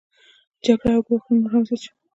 جګړې او ګواښونه نور هم زیات شول